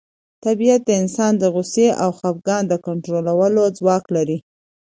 طبیعت د انسان د غوسې او خپګان د کنټرولولو ځواک لري.